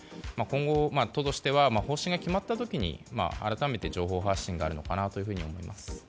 今後、都としては方針が決まった時に、改めて情報発信があると思います。